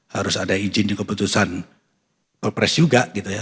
harus ada izin keputusan pepres juga